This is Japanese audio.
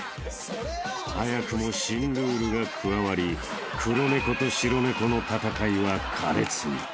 ［早くも新ルールが加わり黒猫と白猫の戦いは苛烈に］